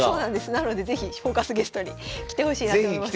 なので是非「フォーカス」ゲストに来てほしいなと思います。